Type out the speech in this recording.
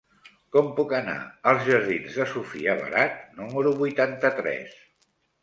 Com puc anar als jardins de Sofia Barat número vuitanta-tres?